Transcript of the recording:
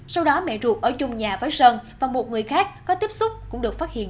sau đó mẹ ruột ở chung nhà với sơn và một người khác có tiếp xúc cũng được phát hiện